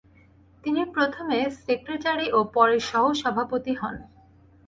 তিনি প্রথমে সেক্রেটারি ও পরে সহ-সভাপতি হন।